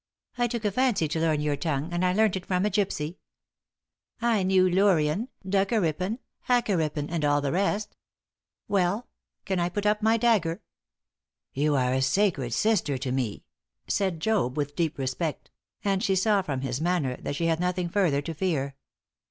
"I took a fancy to learn your tongue, and I learnt it from a gypsy. I knew Lurien, Dukkeripen, Hakkeripen, and all the rest. Well, can I put up my dagger?" "You are a sacred sister to me," said Job, with deep respect; and she saw from his manner that she had nothing further to fear.